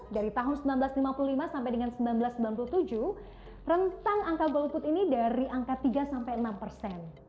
dari tahun seribu sembilan ratus lima puluh lima sampai dengan seribu sembilan ratus sembilan puluh tujuh rentang angka golput ini dari angka tiga sampai enam persen